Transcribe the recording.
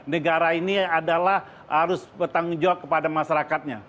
negara ini adalah harus bertanggung jawab kepada masyarakatnya